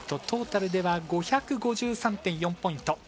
トータルでは５５３．４ポイント。